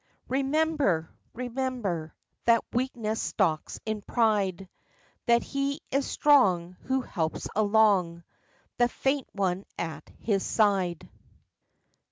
Remember, remember That weakness stalks in pride; That he is strong who helps along The faint one at his side.